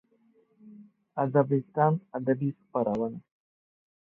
ادبستان ادبي خپرونه